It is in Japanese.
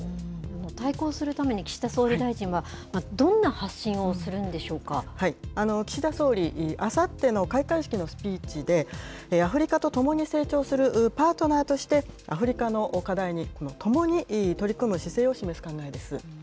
対抗するために岸田総理大臣は、岸田総理、あさっての開会式のスピーチで、アフリカと共に成長するパートナーとして、アフリカの課題に共に取り組む姿勢を示す考えです。